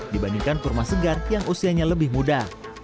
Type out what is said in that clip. dibandingkan kurma segar yang usianya lebih muda